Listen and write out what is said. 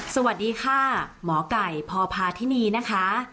สวัสดีค่ะหมอไก่พพาธินีนะคะ